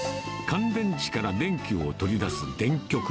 乾電池から電気を取り出す電極。